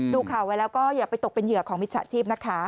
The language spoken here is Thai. ดูข่าวไว้แล้วก็อย่าไปตกเป็นเหยื่อของมิจฉาชีพนะคะ